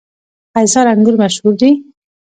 قیصار انګور مشهور دي؟